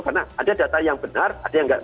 karena ada data yang benar ada yang nggak